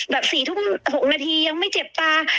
๔ทุ่ม๖นาทียังไม่เจ็บตา